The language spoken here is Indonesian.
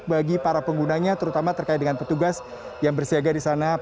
bagi para penggunanya terkait dengan petugas yang bersiaga di stasiun manggara